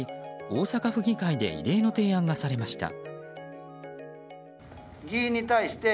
大阪府議会で異例の提案がされました。